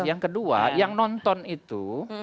yang kedua yang nonton itu